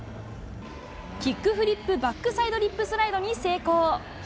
キックフリップバックサイドリップスライドに成功。